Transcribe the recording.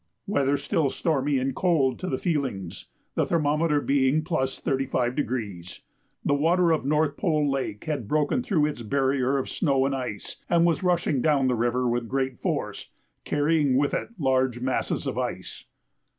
Weather still stormy and cold to the feelings, the thermometer being +35°. The water of North Pole Lake had broken through its barrier of snow and ice, and was rushing down the river with great force, carrying with it large masses of ice.